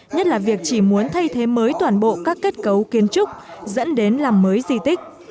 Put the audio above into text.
nhất là việc chỉ muốn thay thế mới toàn bộ các kết cấu kiến trúc dẫn đến làm mới di tích